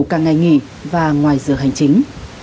càng ngày nghỉ và ngoài dựa hành chính